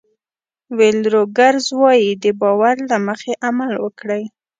ویل روګرز وایي د باور له مخې عمل وکړئ.